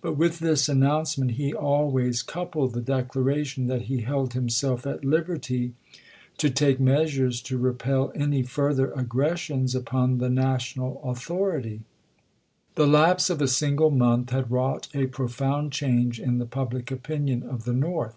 But with this announcement he always coupled the declaration that he held himself at liberty to take measures to repel any further aggressions upon the national authority. The lapse of a single month had wrought a pro found change in the public opinion of the North.